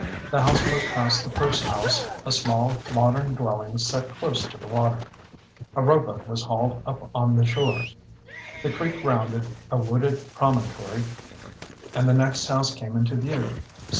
The houseboat passed the first house, a small, modern dwelling set close to the water. A rowboat was hauled up on the shore. The creek rounded a wooded promontory and the next house came into view.